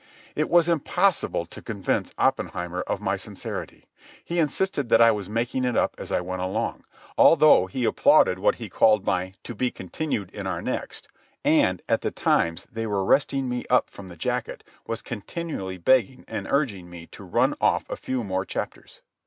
It was impossible to convince Oppenheimer of my sincerity. He insisted that I was making it up as I went along, although he applauded what he called my "to be continued in our next," and, at the times they were resting me up from the jacket, was continually begging and urging me to run off a few more chapters.